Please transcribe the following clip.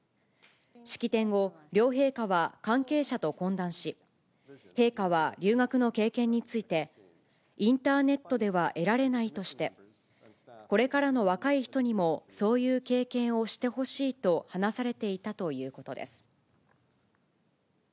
式典後、両陛下は関係者と懇談し、陛下は留学の経験について、インターネットでは得られないとして、これからの若い人にもそういう経験をしてほしいと話されていたということです。